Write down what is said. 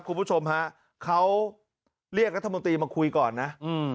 คุณผู้ชมฮะเขาเรียกรัฐมนตรีมาคุยก่อนนะอืม